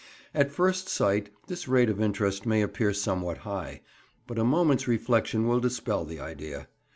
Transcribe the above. At first sight this rate of interest may appear somewhat high, but a moment's reflection will dispel the idea.